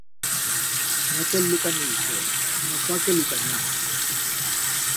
Mira-te el lucaner ixe, no fa que lucaniar.